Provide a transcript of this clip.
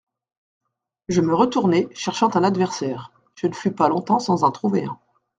Je me retournai, cherchant un adversaire ; je ne fus pas longtemps sans en trouver un.